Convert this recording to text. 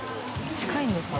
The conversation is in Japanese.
近いんですね。